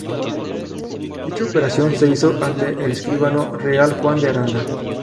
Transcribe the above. Dicha operación se hizo ante el escribano real Juan de Aranda.